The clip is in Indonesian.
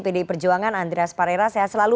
pdi perjuangan andreas parera sehat selalu